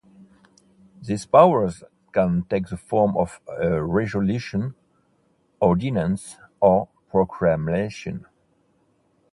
These powers can take the form of a resolution, ordinance or proclamation.